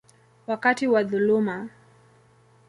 wakati wa dhuluma.